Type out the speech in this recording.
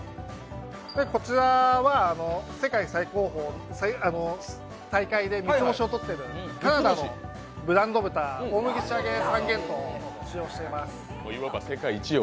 こちらは世界最高峰の大会で三つ星を取っているカナダのブランド豚、大麦仕上三元豚を使用しています。